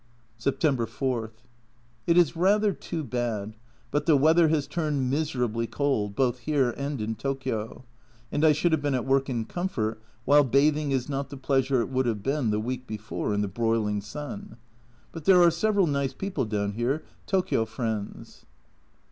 September 4. It is rather too bad, but the weather has turned miserably cold, both here and in Tokio, and I should have been at work in comfort, while bathing is not the pleasure it would have been the week before in the broiling sun. But there are several nice people down here, Tokio friends.